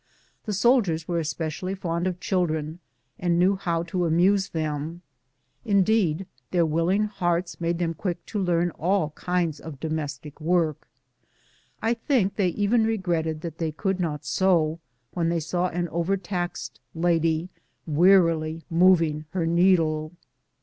The soldiers were especially fond of children, and knew how to amuse them ; indeed, a willing heart made them quick to learn all kinds of domestic work. I think they even regretted that they could not sew, when they saw an overtaxed lady wearily moving her needle.